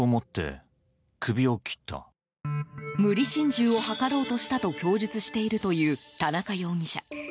無理心中を図ろうとしたと供述しているという田中容疑者。